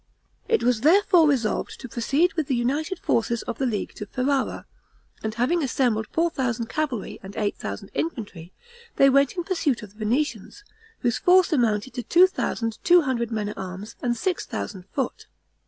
It was therefore resolved to proceed with the united forces of the League to Ferrara, and having assembled four thousand cavalry and eight thousand infantry, they went in pursuit of the Venetians, whose force amounted to two thousand two hundred men at arms, and six thousand foot.